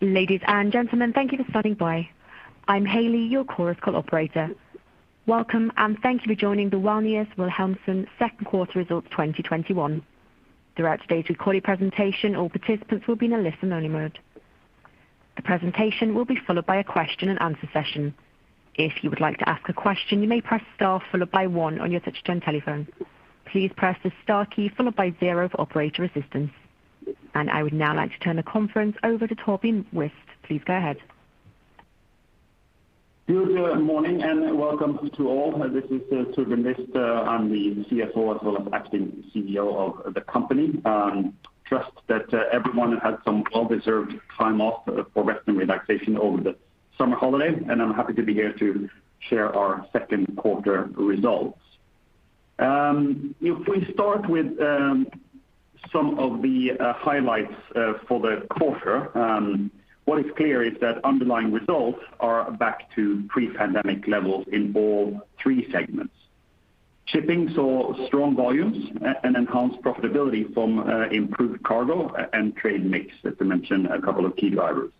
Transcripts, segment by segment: Ladies and gentlemen, thank you for standing by. I'm Hailey, your Chorus Call operator. Welcome, and thank you for joining the Wallenius Wilhelmsen second quarter results 2021. Throughout today's recorded presentation, all participants will be in a listen-only mode. The presentation will be followed by a question-and-answer session. If you would like to ask a question, you may press star followed by one on your touchtone telephone. Please press the star key followed by zero for operator assistance. I would now like to turn the conference over to Torbjørn Wist. Please go ahead. Good morning, and welcome to all. This is Torbjørn Wist. I'm the CFO as well as acting CEO of the company. Trust that everyone had some well-deserved time off for rest and relaxation over the summer holiday, and I'm happy to be here to share our second quarter results. If we start with one of the highlights for the quarter, what is clear is that underlying results are back to pre-pandemic levels in all three segments. Shipping saw strong volumes and enhanced profitability from improved cargo and trade mix, just to mention a couple of key drivers.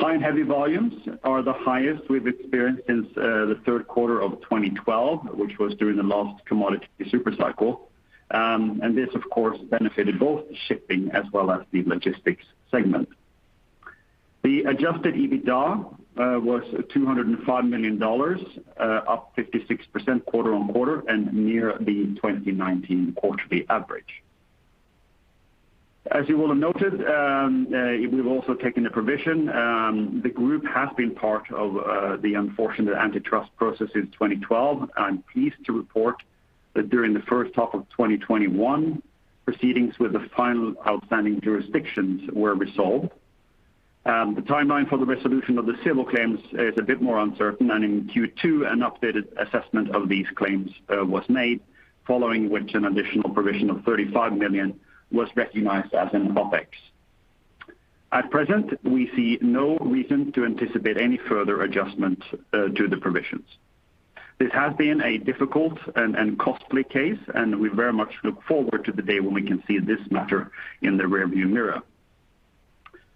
High & heavy volumes are the highest we've experienced since the third quarter of 2012, which was during the last commodity super cycle. This, of course, benefited both Shipping as well as the Logistics segment. The adjusted EBITDA was $205 million, up 56% quarter-on-quarter, and near the 2019 quarterly average. As you will have noted, we've also taken the provision. The group has been part of the unfortunate antitrust process since 2012. I'm pleased to report that during the first half of 2021, proceedings with the final outstanding jurisdictions were resolved. The timeline for the resolution of the civil claims is a bit more uncertain, and in Q2, an updated assessment of these claims was made, following which an additional provision of $35 million was recognized as in OpEx. At present, we see no reason to anticipate any further adjustment to the provisions. This has been a difficult and costly case, and we very much look forward to the day when we can see this matter in the rearview mirror.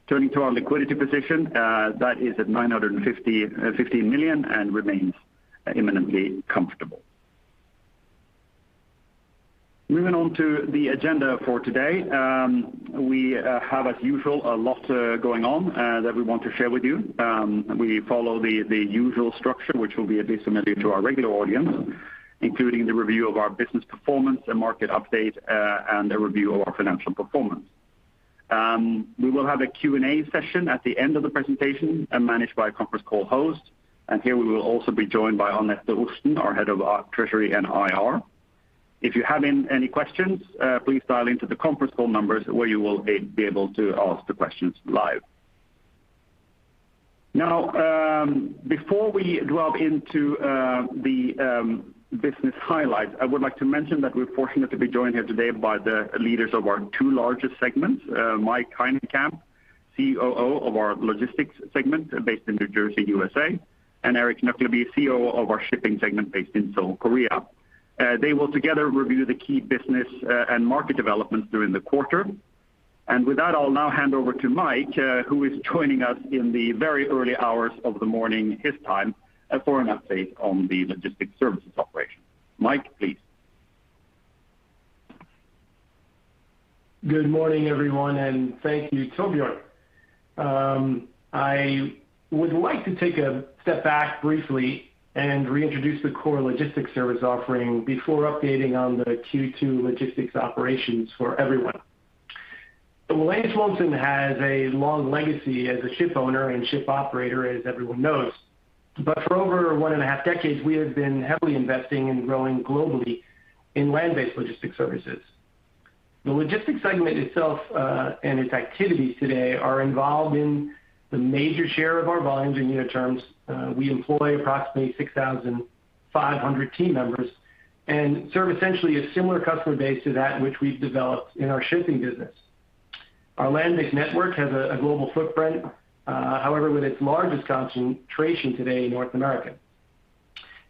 Turning to our liquidity position, that is at $950 million and remains imminently comfortable. Moving on to the agenda for today. We have, as usual, a lot going on that we want to share with you. We follow the usual structure, which will be at least familiar to our regular audience, including the review of our business performance, a market update, and a review of our financial performance. We will have a Q&A session at the end of the presentation, managed by a conference call host, and here we will also be joined by Anette Orsten, our Head of Treasury and IR. If you have any questions, please dial into the conference call numbers, where you will be able to ask the questions live. Now, before we delve into the business highlights, I would like to mention that we're fortunate to be joined here today by the leaders of our two largest segments, Mike Hynekamp, COO of our Logistics segment based in New Jersey, U.S.A., and Erik Nøklebye, COO of our Shipping segment based in Seoul, Korea. They will together review the key business and market developments during the quarter. With that, I'll now hand over to Mike, who is joining us in the very early hours of the morning his time, for an update on the Logistics Services operation. Mike, please. Good morning, everyone. Thank you, Torbjørn. I would like to take a step back briefly and reintroduce the core Logistics Services offering before updating on the Q2 logistics operations for everyone. Wallenius Wilhelmsen has a long legacy as a ship owner and ship operator, as everyone knows. For over one and a half decades, we have been heavily investing in growing globally in landbased Logistics Services. The Logistics segment itself, and its activities today are involved in the major share of our volumes in unit terms. We employ approximately 6,500 team members and serve essentially a similar customer base to that which we've developed in our Shipping business. Our landbased network has a global footprint, however, with its largest concentration today in North America.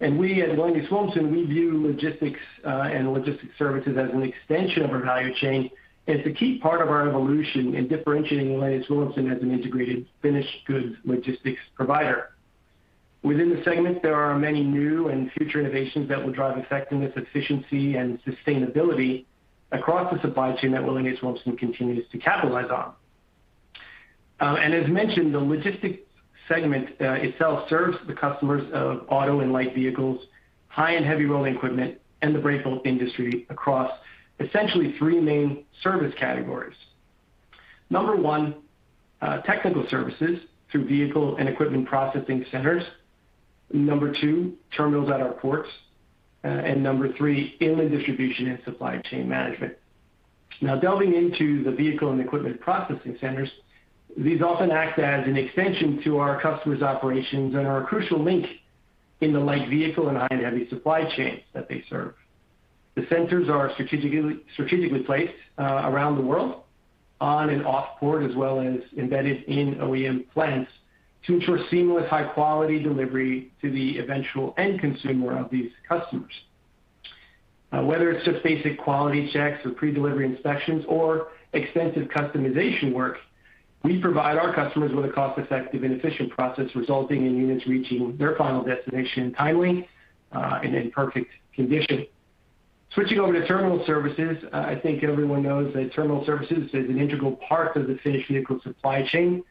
We at Wallenius Wilhelmsen, we view logistics and Logistics Services as an extension of our value chain, and it's a key part of our evolution in differentiating Wallenius Wilhelmsen as an integrated finished goods logistics provider. Within the segment, there are many new and future innovations that will drive effectiveness, efficiency, and sustainability across the supply chain that Wallenius Wilhelmsen continues to capitalize on. As mentioned, the Logistics segment itself serves the customers of auto and light vehicles, high and heavy rolling equipment, and the break bulk industry across essentially three main service categories. Number one, technical services through vehicle and equipment processing centers. Number two, terminals at our ports. Number three, inland distribution and supply chain management. Now, delving into the vehicle and equipment processing centers, these often act as an extension to our customers' operations and are a crucial link in the light vehicle and high & heavy supply chains that they serve. The centers are strategically placed around the world, on and off port, as well as embedded in OEM plants to ensure seamless, high-quality delivery to the eventual end consumer of these customers. Whether it's just basic quality checks or pre-delivery inspections or extensive customization work, we provide our customers with a cost-effective and efficient process, resulting in units reaching their final destination timely, and in perfect condition. Switching over to terminal services, I think everyone knows that terminal services is an integral part of the finished vehicle supply chain,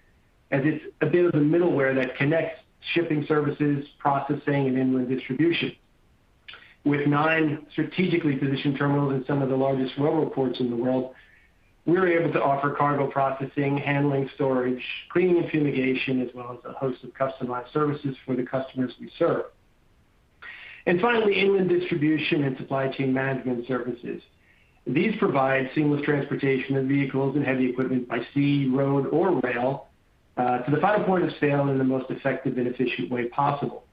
as it's a bit of a middleware that connects Shipping Services, processing, and inland distribution. With nine strategically positioned terminals in some of the largest RoRo ports in the world, we are able to offer cargo processing, handling, storage, cleaning and fumigation, as well as a host of customized services for the customers we serve, and finally, inland distribution and supply chain management services. These provide seamless transportation of vehicles and heavy equipment by sea, road, or rail, to the final point of sale in the most effective and efficient way possible.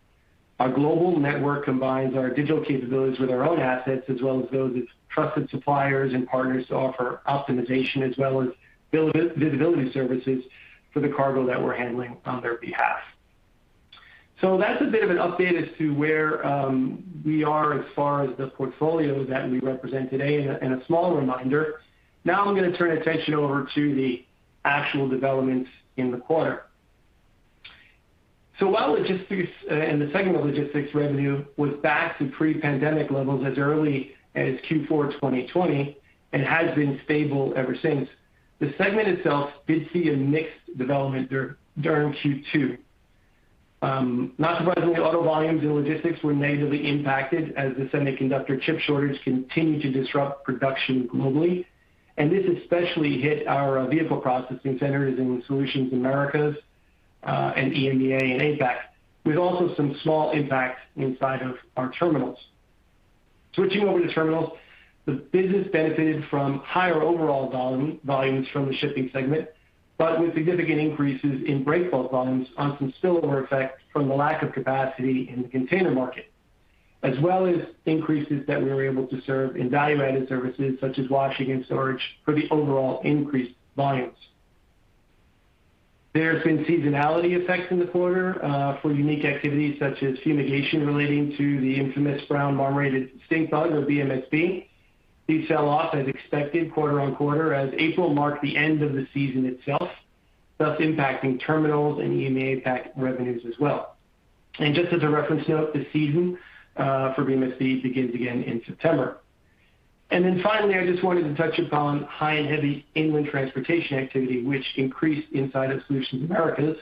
Our global network combines our digital capabilities with our own assets as well as those of trusted suppliers and partners to offer optimization as well as visibility services for the cargo that we're handling on their behalf. That's a bit of an update as to where we are as far as the portfolio that we represent today, and a small reminder. I'm going to turn attention over to the actual developments in the quarter. While logistics and the segment of Logistics revenue was back to pre-pandemic levels as early as Q4 2020, and has been stable ever since, the segment itself did see a mixed development during Q2. Not surprisingly, auto volumes and logistics were negatively impacted as the semiconductor chip shortage continued to disrupt production globally. This especially hit our vehicle processing centers in Solutions Americas, and EMEA, and APAC, with also some small impact inside of our terminals. Switching over to terminals, the business benefited from higher overall volumes from the Shipping segment, but with significant increases in break bulk volumes on some spillover effect from the lack of capacity in the container market, as well as increases that we were able to serve in value-added services such as washing and storage for the overall increased volumes. There's been seasonality effects in the quarter, for unique activities such as fumigation relating to the infamous brown marmorated stink bug, or BMSB. These sell off as expected quarter-on-quarter as April marked the end of the season itself, thus impacting terminals and EMEA APAC revenues as well. Just as a reference note, the season for BMSB begins again in September. Finally, I just wanted to touch upon high & heavy inland transportation activity, which increased inside of Solutions Americas,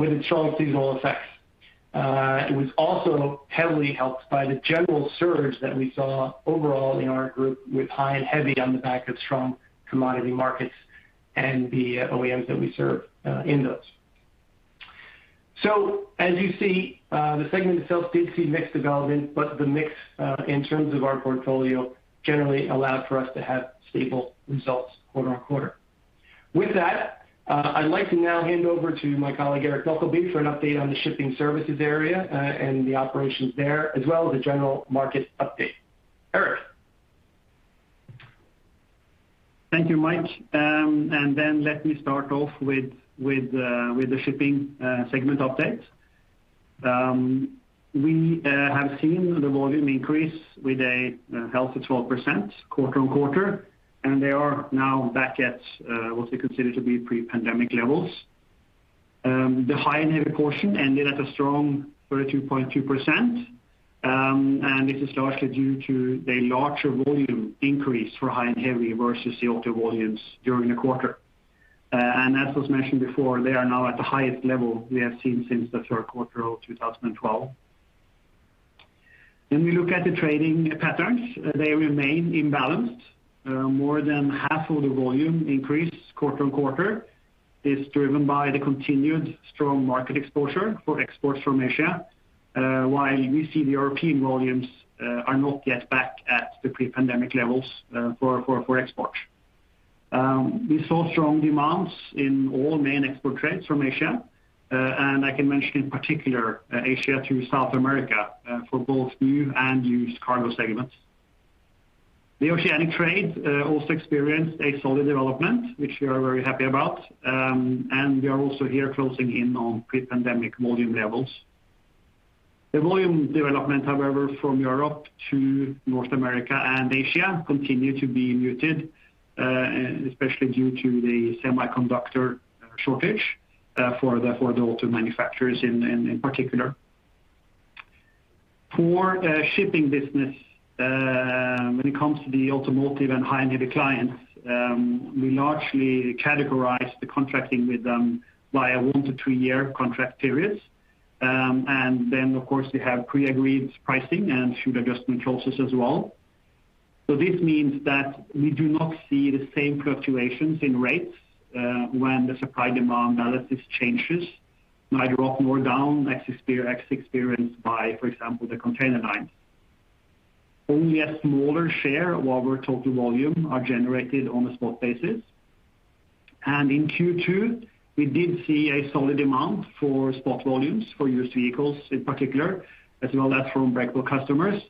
with a strong seasonal effect. It was also heavily helped by the general surge that we saw overall in our group with high & heavy on the back of strong commodity markets and the OEMs that we serve in those. As you see, the segment itself did see mixed development, but the mix, in terms of our portfolio, generally allowed for us to have stable results quarter-on-quarter. With that, I'd like to now hand over to my colleague, Erik Nøklebye, for an update on the Shipping Services area, and the operations there, as well as a general market update. Erik? Thank you, Mike. Then let me start off with the Shipping segment update. We have seen the volume increase with a healthy 12% quarter-on-quarter, and they are now back at what we consider to be pre-pandemic levels. The high & heavy portion ended at a strong 32.2%, and this is largely due to the larger volume increase for high & heavy versus the auto volumes during the quarter. As was mentioned before, they are now at the highest level we have seen since the third quarter of 2012. When we look at the trading patterns, they remain imbalanced. More than half of the volume increase quarter-on-quarter is driven by the continued strong market exposure for exports from Asia. We see the European volumes are not yet back at the pre-pandemic levels for export. We saw strong demands in all main export trades from Asia. I can mention in particular, Asia to South America, for both new and used cargo segments. The oceanic trades also experienced a solid development, which we are very happy about, and we are also here closing in on pre-pandemic volume levels. The volume development, however, from Europe to North America and Asia continue to be muted, especially due to the semiconductor shortage for the auto manufacturers in particular. For Shipping business, when it comes to the automotive and high & heavy clients, we largely categorize the contracting with them via one to two-year contract periods. Then of course, we have pre-agreed pricing and fuel adjustment clauses as well. This means that we do not see the same fluctuations in rates when the supply-demand analysis changes, neither up nor down as experienced by, for example, the container lines. Only a smaller share of our total volume are generated on a spot basis. In Q2, we did see a solid demand for spot volumes for used vehicles in particular, as well as from break-bulk customers.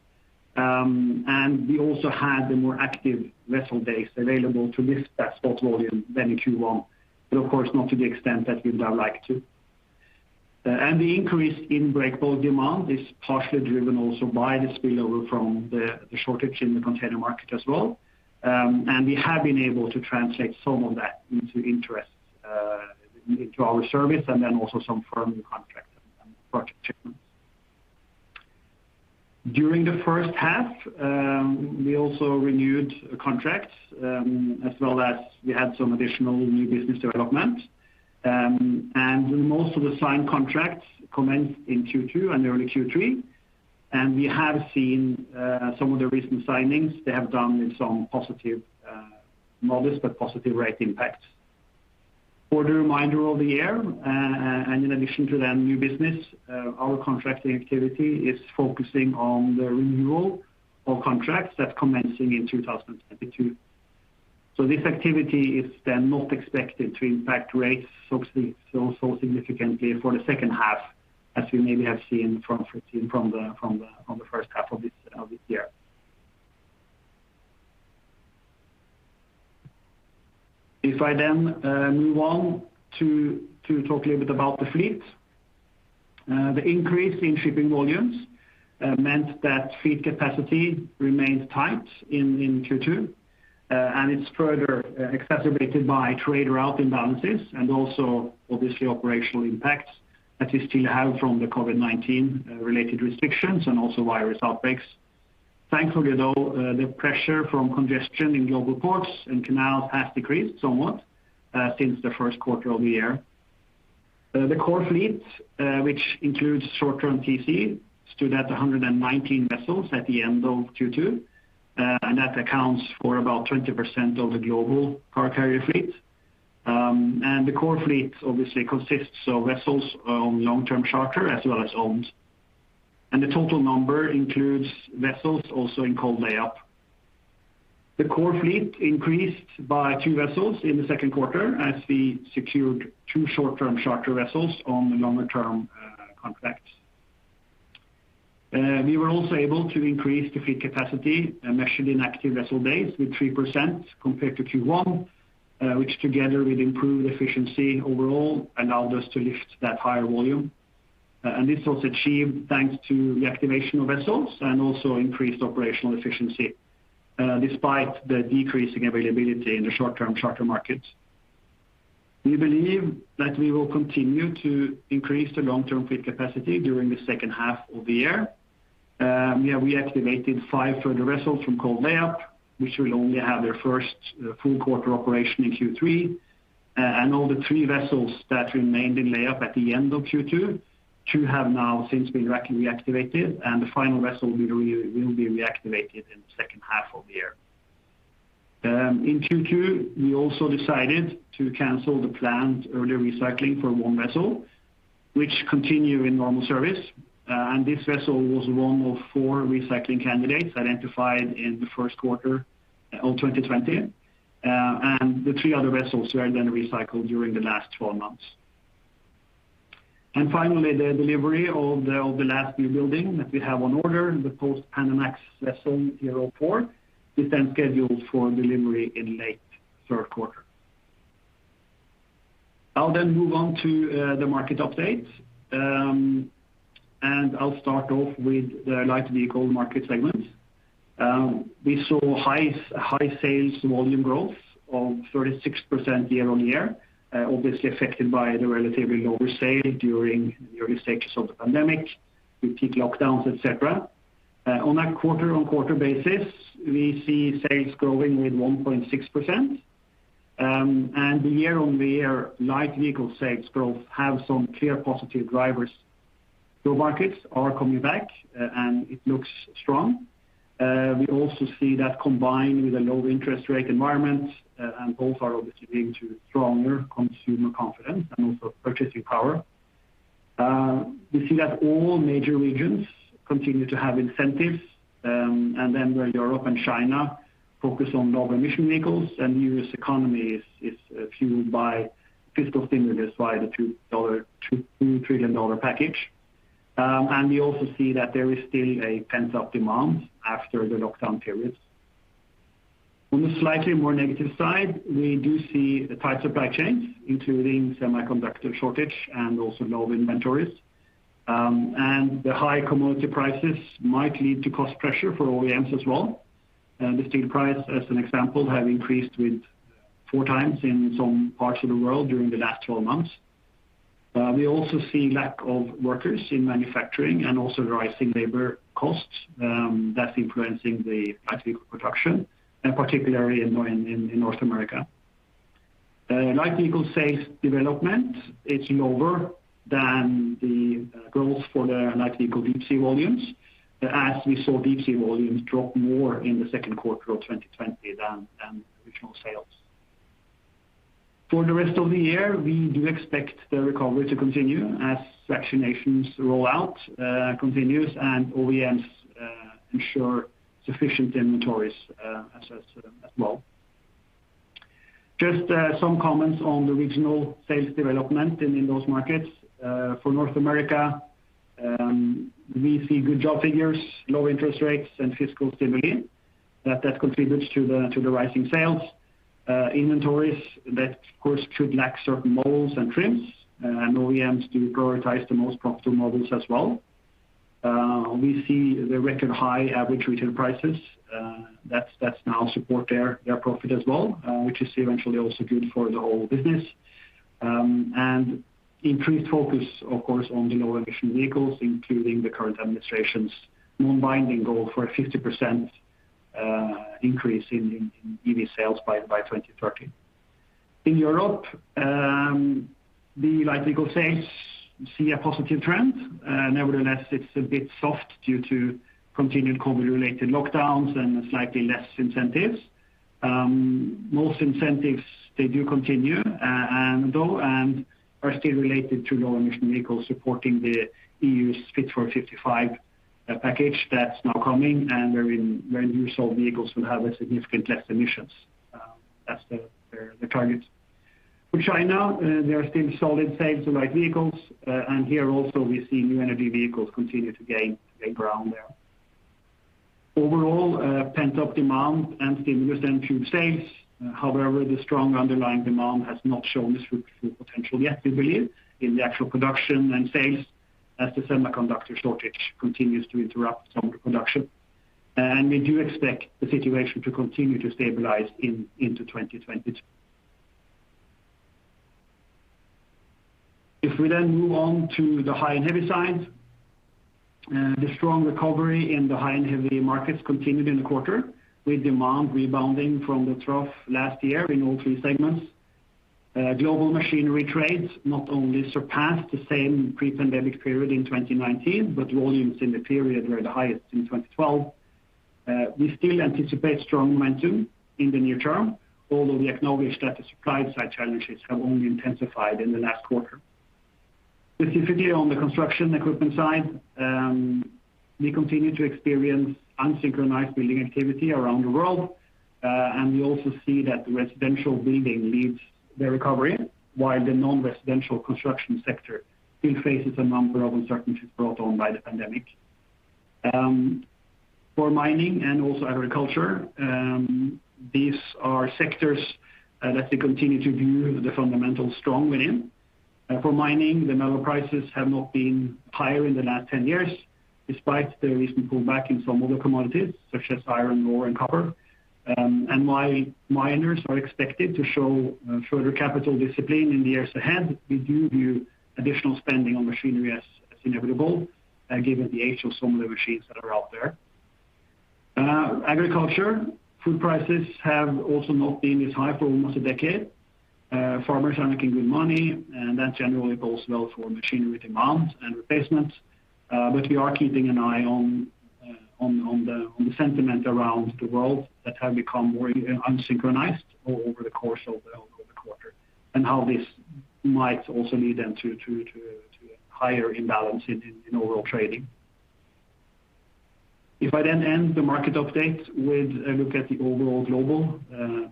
We also had a more active vessel base available to lift that spot volume than in Q1. Of course, not to the extent that we would have liked to. The increase in break-bulk demand is partially driven also by the spillover from the shortage in the container market as well. We have been able to translate some of that into interest into our service, and then also some firm contracts and project shipments. During the first half, we also renewed contracts, as well as we had some additional new business development. Most of the signed contracts commenced in Q2 and early Q3. We have seen some of the recent signings, they have done with some modest, but positive rate impacts. For the remainder of the year, and in addition to the new business, our contracting activity is focusing on the renewal of contracts that's commencing in 2022. This activity is then not expected to impact rates obviously so significantly for the second half, as we maybe have seen from the first half of this year. If I then move on to talk a little bit about the fleet. The increase in shipping volumes meant that fleet capacity remained tight in Q2, and it's further exacerbated by trade route imbalances and also obviously operational impacts that we still have from the COVID-19 related restrictions and also virus outbreaks. Thankfully though, the pressure from congestion in global ports and canals has decreased somewhat since the first quarter of the year. The core fleet, which includes short-term TC, stood at 119 vessels at the end of Q2, and that accounts for about 20% of the global car carrier fleet. The core fleet obviously consists of vessels on long-term charter as well as owned. The total number includes vessels also in cold lay-up. The core fleet increased by two vessels in the second quarter as we secured two short-term charter vessels on longer term contracts. We were also able to increase the fleet capacity measured in active vessel days with 3% compared to Q1, which together with improved efficiency overall, allowed us to lift that higher volume. This was achieved thanks to reactivation of vessels and also increased operational efficiency, despite the decreasing availability in the short-term charter markets. We believe that we will continue to increase the long-term fleet capacity during the second half of the year. We activated five further vessels from cold lay-up, which will only have their first full quarter operation in Q3. Of the three vessels that remained in lay-up at the end of Q2, two have now since been reactivated, and the final vessel will be reactivated in the second half of the year. In Q2, we also decided to cancel the planned earlier recycling for one vessel, which continue in normal service. This vessel was one of four recycling candidates identified in the first quarter of 2020. The three other vessels were recycled during the last 12 months. Finally, the delivery of the last new building that we have on order, the post-Panamax vessel HERO 04, is scheduled for delivery in late third quarter. I'll move on to the market update. I'll start off with the light vehicle market segment. We saw high sales volume growth of 36% year-over-year, obviously affected by the relatively lower sale during the early stages of the pandemic, with peak lockdowns, et cetera. On a quarter-on-quarter basis, we see sales growing with 1.6%. The year-over-year light vehicle sales growth have some clear positive drivers. Markets are coming back, and it looks strong. We also see that combined with a low interest rate environment, both are obviously leading to stronger consumer confidence and also purchasing power. We see that all major regions continue to have incentives, where Europe and China focus on lower emission vehicles and U.S. economy is fueled by fiscal stimulus via the $2 trillion package. We also see that there is still a pent-up demand after the lockdown periods. On a slightly more negative side, we do see the tight supply chains, including semiconductor shortage and also low inventories. The high commodity prices might lead to cost pressure for OEMs as well. The steel price, as an example, have increased with four times in some parts of the world during the last 12 months. We also see lack of workers in manufacturing and also rising labor costs, that's influencing the light vehicle production, and particularly in North America. Light vehicle sales development, it's lower than the growth for the light vehicle deepsea volumes, as we saw deepsea volumes drop more in the second quarter of 2020 than original sales. For the rest of the year, we do expect the recovery to continue as vaccinations rollout continues and OEMs ensure sufficient inventories as well. Just some comments on the regional sales development in those markets. For North America We see good job figures, low interest rates, and fiscal stimuli that contributes to the rising sales. Inventories that, of course, should lack certain models and trims, and OEMs do prioritize the most profitable models as well. We see the record high average retail prices. Now support their profit as well, which is eventually also good for the whole business. Increased focus, of course, on the lower emission vehicles, including the current administration's binding goal for a 50% increase in EV sales by 2030. In Europe, the light vehicle sales see a positive trend. Nevertheless, it's a bit soft due to continued COVID related lockdowns and slightly less incentives. Most incentives, they do continue, and though, are still related to low emission vehicles supporting the E.U.'s Fit for 55 package that's now coming, and wherein new sold vehicles will have a significantly less emissions. That's the target. For China, there are still solid sales of light vehicles. Here also we see new energy vehicles continue to gain ground there. Overall, pent-up demand and stimulus then fueled sales. The strong underlying demand has not shown its full potential yet, we believe, in the actual production and sales as the semiconductor shortage continues to interrupt some of the production. We do expect the situation to continue to stabilize into 2022. If we then move on to the high & heavy side. The strong recovery in the high and heavy markets continued in the quarter, with demand rebounding from the trough last year in all three segments. Global machinery trades not only surpassed the same pre-pandemic period in 2019, but volumes in the period were the highest since 2012. We still anticipate strong momentum in the near term, although we acknowledge that the supply side challenges have only intensified in the last quarter. Specifically, on the construction equipment side, we continue to experience unsynchronized building activity around the world. We also see that the residential building leads the recovery, while the non-residential construction sector still faces a number of uncertainties brought on by the pandemic. For mining and also agriculture, these are sectors that we continue to view the fundamentals strong within. For mining, the metal prices have not been higher in the last 10 years, despite the recent pullback in some other commodities, such as iron ore and copper. While miners are expected to show further capital discipline in the years ahead, we do view additional spending on machinery as inevitable, given the age of some of the machines that are out there. Agriculture, food prices have also not been this high for almost a decade. Farmers are making good money, and that generally bodes well for machinery demand and replacement. We are keeping an eye on the sentiment around the world that have become more unsynchronized over the course of the quarter, and how this might also lead then to a higher imbalance in overall trading. If I then end the market update with a look at the overall global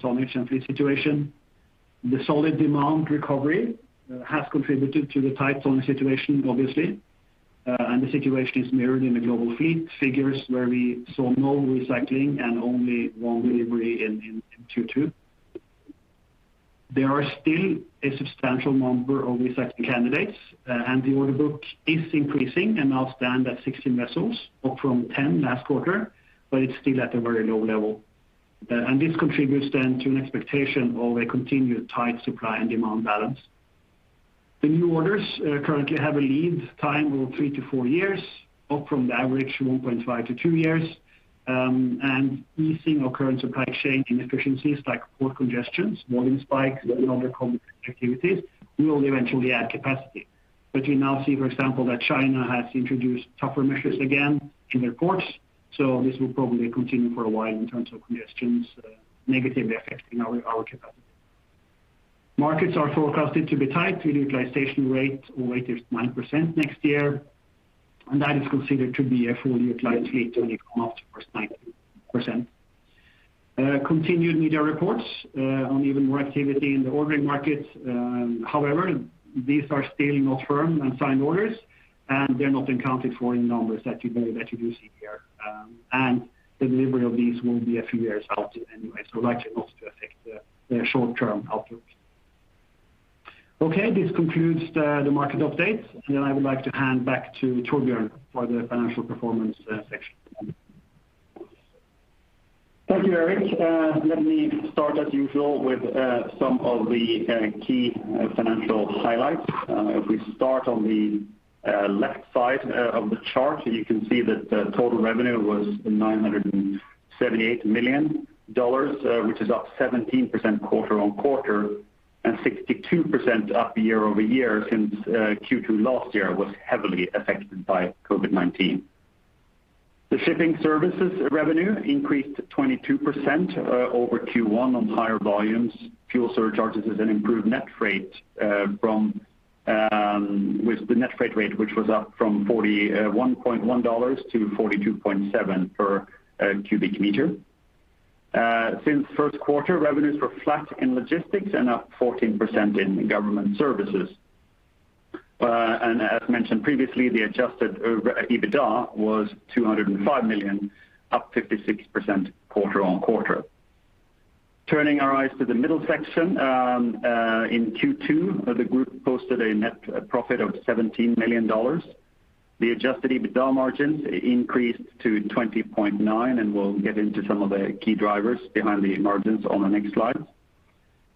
tonnage and fleet situation. The solid demand recovery has contributed to the tight tonnage situation, obviously, and the situation is mirrored in the global fleet figures where we saw no recycling and only one delivery in Q2. There are still a substantial number of recycling candidates, and the order book is increasing and now stand at 16 vessels, up from 10 last quarter, but it's still at a very low level. This contributes then to an expectation of a continued tight supply and demand balance. The new orders currently have a lead time of three to four years, up from the average 1.5 to two years. Easing occurrence of supply chain inefficiencies like port congestions, volume spikes, and other COVID activities will eventually add capacity. We now see, for example, that China has introduced tougher measures again in their ports, so this will probably continue for a while in terms of congestions, negatively affecting our capacity. Markets are forecasted to be tight with utilization rate of 89% next year, and that is considered to be a full utilized fleet when it comes to first 90%. Continued media reports on even more activity in the ordering markets. However, these are still not firm and signed orders, and they are not accounted for in numbers that you do see here. The delivery of these will be a few years out anyway, so likely not to affect the short-term outlook. Okay, this concludes the market update. I would like to hand back to Torbjørn for the financial performance section. Thank you, Erik. Let me start as usual with some of the key financial highlights. If we start on the left side of the chart, you can see that the total revenue was $978 million, which is up 17% quarter-on-quarter and 62% up year-over-year since Q2 last year was heavily affected by COVID-19. The Shipping Services revenue increased 22% over Q1 on higher volumes. Fuel surcharges has an improved net rate with the net freight rate, which was up from $41.1 to $42.7 per cu m. Since first quarter, revenues were flat in Logistics and up 14% in Government Services. As mentioned previously, the adjusted EBITDA was $205 million, up 56% quarter-on-quarter. Turning our eyes to the middle section. In Q2, the group posted a net profit of $17 million. The adjusted EBITDA margins increased to 20.9%, and we'll get into some of the key drivers behind the margins on the next slide.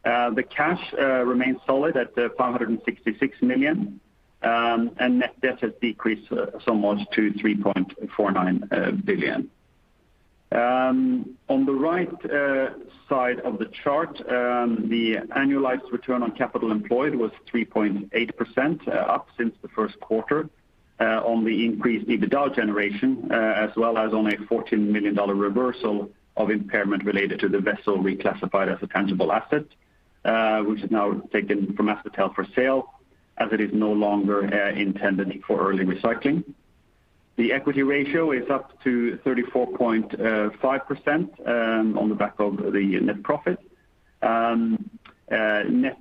The cash remains solid at $566 million, and net debt has decreased somewhat to $3.49 billion. On the right side of the chart, the annualized return on capital employed was 3.8%, up since the first quarter, on the increased EBITDA generation, as well as on a $14 million reversal of impairment related to the vessel reclassified as a tangible asset, which is now taken from asset held for sale as it is no longer intended for early recycling. The equity ratio is up to 34.5% on the back of the net profit. Net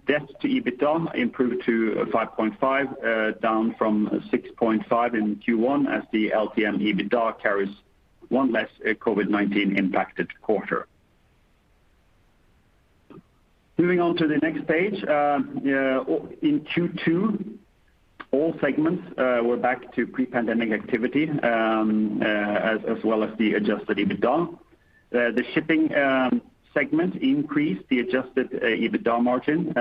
debt to EBITDA improved to 5.5, down from 6.5 in Q1 as the LTM EBITDA carries one less COVID-19 impacted quarter. Moving on to the next page. In Q2, all segments were back to pre-pandemic activity, as well as the adjusted EBITDA. The Shipping segment increased the adjusted EBITDA margin,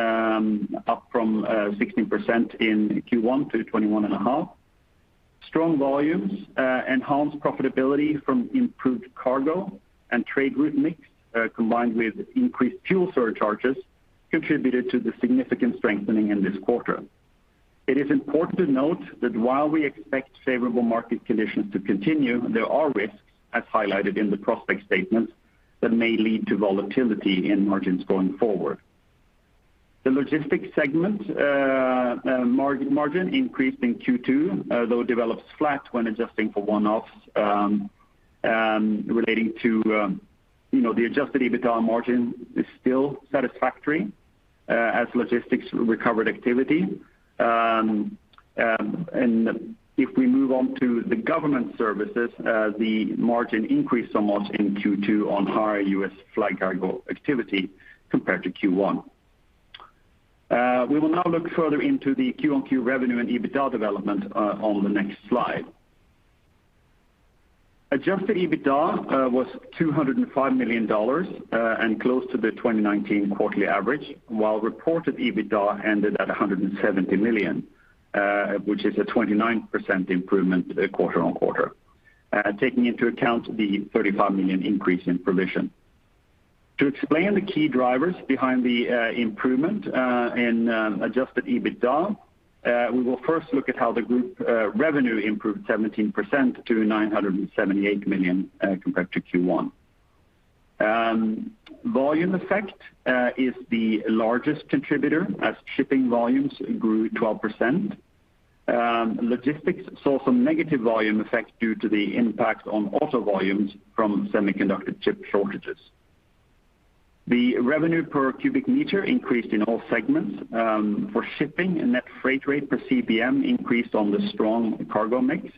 up from 16% in Q1 to 21.5%. Strong volumes enhanced profitability from improved cargo and trade route mix, combined with increased fuel surcharges, contributed to the significant strengthening in this quarter. It is important to note that while we expect favorable market conditions to continue, there are risks as highlighted in the prospect statement that may lead to volatility in margins going forward. The Logistics segment margin increased in Q2, although it develops flat when adjusting for one-offs relating to the adjusted EBITDA margin is still satisfactory as Logistics recovered activity. If we move on to the Government Services, the margin increased somewhat in Q2 on higher U.S. flag cargo activity compared to Q1. We will now look further into the Q-on-Q revenue and EBITDA development on the next slide. Adjusted EBITDA was $205 million, and close to the 2019 quarterly average, while reported EBITDA ended at $170 million, which is a 29% improvement quarter-on-quarter, taking into account the $35 million increase in provision. To explain the key drivers behind the improvement in adjusted EBITDA, we will first look at how the group revenue improved 17% to $978 million compared to Q1. Volume effect is the largest contributor as shipping volumes grew 12%. Logistics saw some negative volume effects due to the impact on auto volumes from semiconductor chip shortages. The revenue per cubic meter increased in all segments. For Shipping, net freight rate per CBM increased on the strong cargo mix,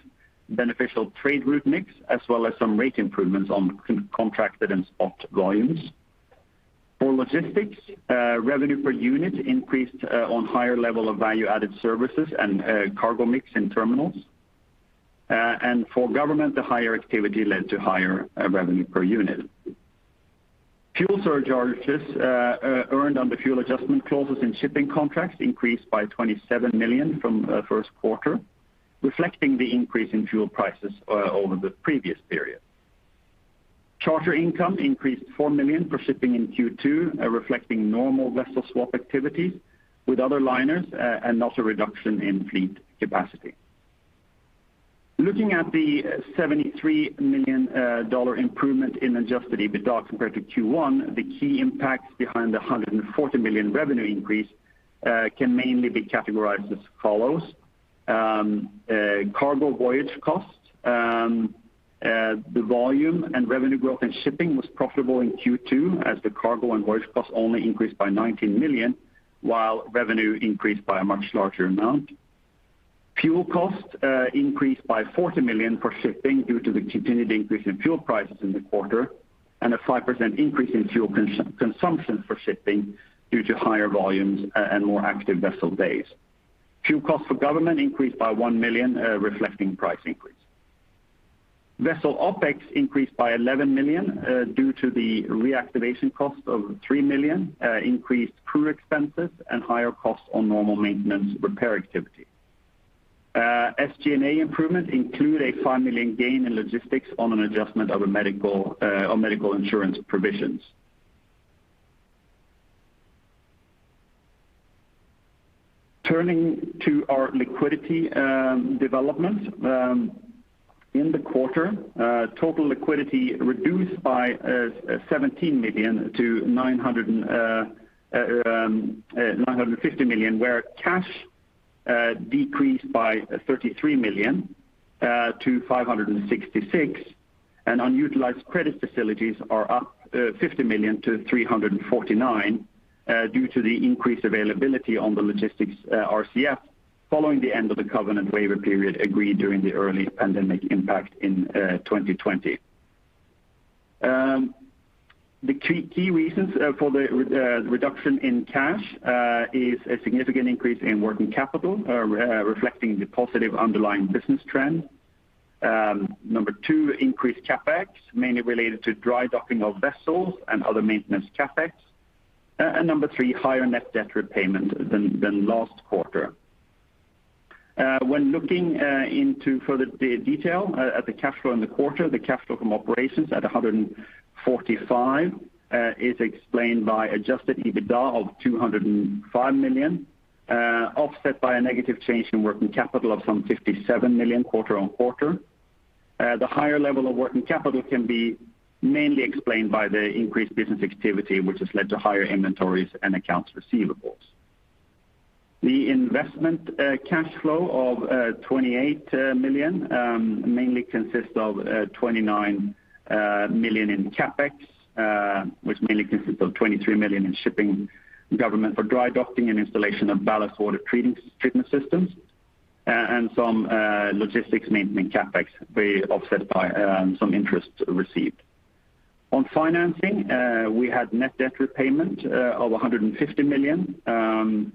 beneficial trade route mix, as well as some rate improvements on contracted and spot volumes. For Logistics, revenue per unit increased on higher level of value-added services and cargo mix in terminals. For Government, the higher activity led to higher revenue per unit. Fuel surcharges earned on the fuel adjustment clauses in Shipping contracts increased by $27 million from first quarter, reflecting the increase in fuel prices over the previous period. Charter income increased $4 million for Shipping in Q2, reflecting normal vessel swap activities with other liners, and also reduction in fleet capacity. Looking at the $73 million improvement in adjusted EBITDA compared to Q1, the key impacts behind the $140 million revenue increase can mainly be categorized as follows. Cargo voyage costs. The volume and revenue growth in Shipping was profitable in Q2 as the cargo and voyage costs only increased by $19 million, while revenue increased by a much larger amount. Fuel costs increased by $40 million for Shipping due to the continued increase in fuel prices in the quarter, and a 5% increase in fuel consumption for Shipping due to higher volumes and more active vessel days. Fuel costs for Government increased by $1 million, reflecting price increase. Vessel OpEx increased by $11 million due to the reactivation cost of $3 million, increased crew expenses, and higher costs on normal maintenance repair activity. SG&A improvements include a $5 million gain in Logistics on an adjustment on medical insurance provisions. Turning to our liquidity development. In the quarter, total liquidity reduced by $17 million to $950 million, where cash decreased by $33 million to $566 million, and unutilized credit facilities are up $50 million to $349 million due to the increased availability on the Logistics RCF following the end of the covenant waiver period agreed during the early pandemic impact in 2020. The key reasons for the reduction in cash is a significant increase in working capital, reflecting the positive underlying business trend. Number two, increased CapEx, mainly related to dry docking of vessels and other maintenance CapEx. Number three, higher net debt repayment than last quarter. When looking into further detail at the cash flow in the quarter, the cash flow from operations at $145 million is explained by adjusted EBITDA of $205 million, offset by a negative change in working capital of some $57 million quarter-on-quarter. The higher level of working capital can be mainly explained by the increased business activity, which has led to higher inventories and accounts receivables. The investment cash flow of $28 million mainly consists of $29 million in CapEx, which mainly consists of $23 million in Shipping for dry docking and installation of ballast water treatment systems and some Logistics maintenance CapEx, be offset by some interest received. On financing, we had net debt repayment of $150 million.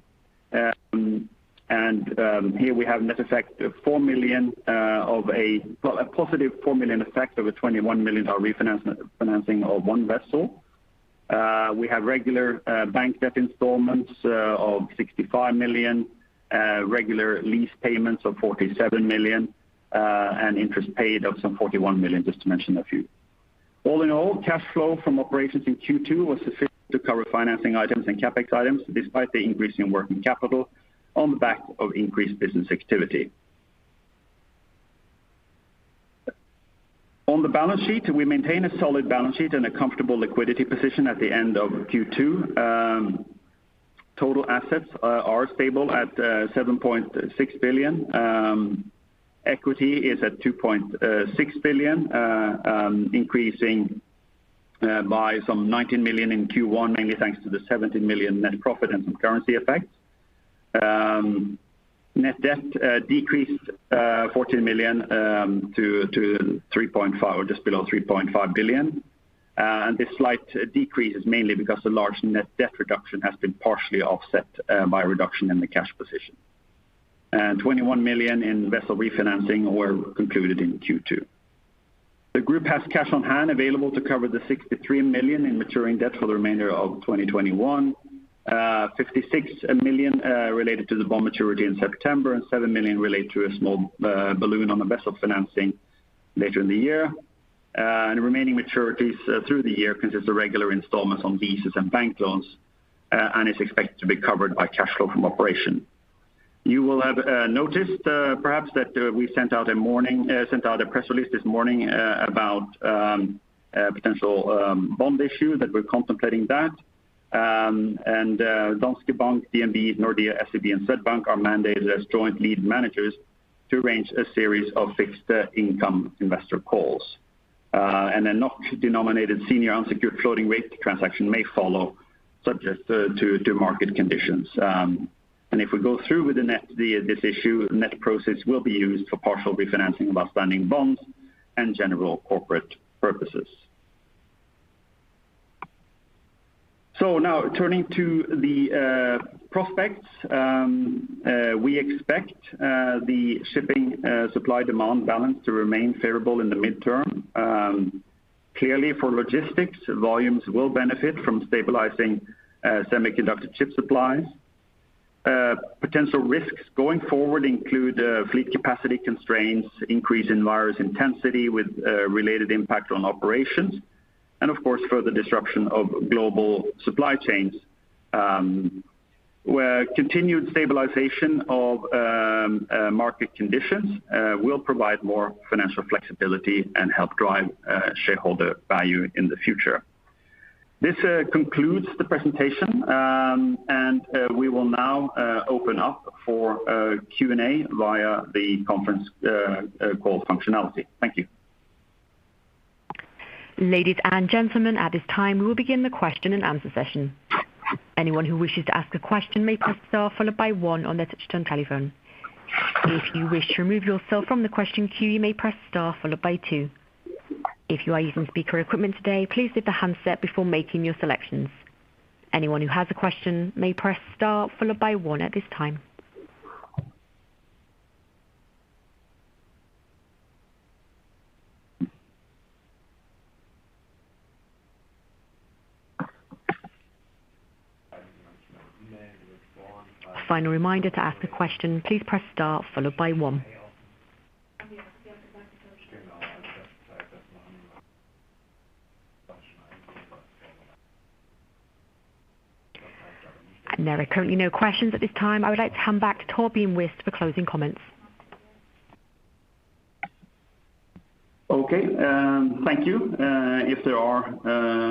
Here we have net effect of $4 million of a positive $4 million effect of a $21 million refinancing of one vessel. We have regular bank debt installments of $65 million, regular lease payments of $47 million, and interest paid of some $41 million, just to mention a few. All in all, cash flow from operations in Q2 was sufficient to cover financing items and CapEx items, despite the increase in working capital on the back of increased business activity. On the balance sheet, we maintain a solid balance sheet and a comfortable liquidity position at the end of Q2. Total assets are stable at $7.6 billion. Equity is at $2.6 billion, increasing by some $19 million in Q1, mainly thanks to the $17 million net profit and some currency effects. Net debt decreased $14 million to just below $3.5 billion. This slight decrease is mainly because the large net debt reduction has been partially offset by a reduction in the cash position. $21 million in vessel refinancing were concluded in Q2. The group has cash on hand available to cover the $63 million in maturing debt for the remainder of 2021, $56 million related to the bond maturity in September, and $7 million related to a small balloon on the vessel financing later in the year. Remaining maturities through the year consist of regular installments on leases and bank loans, and it's expected to be covered by cash flow from operation. You will have noticed perhaps that we sent out a press release this morning about potential bond issue, that we're contemplating that. Danske Bank, DNB, Nordea, SEB and Swedbank are mandated as joint lead managers to arrange a series of fixed income investor calls. A NOK-denominated senior unsecured floating rate transaction may follow, subject to market conditions. If we go through with this issue, the net proceeds will be used for partial refinancing of outstanding bonds and general corporate purposes. Now turning to the prospects. We expect the Shipping supply-demand balance to remain favorable in the midterm. Clearly, for Logistics, volumes will benefit from stabilizing semiconductor chip supplies. Potential risks going forward include fleet capacity constraints, increase in virus intensity with related impact on operations, and of course, further disruption of global supply chains, where continued stabilization of market conditions will provide more financial flexibility and help drive shareholder value in the future. This concludes the presentation, and we will now open up for Q&A via the conference call functionality. Thank you. Ladies and gentlemen, at this time, we will begin the question and answer session. Anyone who wishes to ask a question may press star followed by one on their touch-tone telephone. If you wish to remove yourself from the question queue, you may press star followed by two. If you are using speaker equipment today, please lift the handset before making your selections. Anyone who has a question may press star followed by one at this time. Final reminder, to ask a question, please press star followed by one. There are currently no questions at this time. I would like to hand back to Torbjørn Wist for closing comments. Okay. Thank you. If there are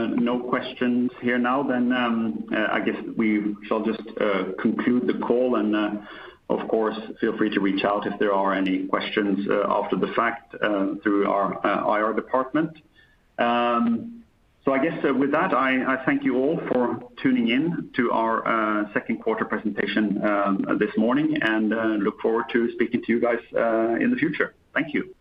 no questions here now, I guess we shall just conclude the call and, of course, feel free to reach out if there are any questions after the fact through our IR department. I guess with that, I thank you all for tuning in to our second quarter presentation this morning, and look forward to speaking to you guys in the future. Thank you.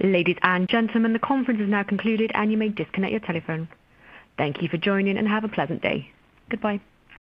Ladies and gentlemen, the conference is now concluded, and you may disconnect your telephone. Thank you for joining, and have a pleasant day. Goodbye.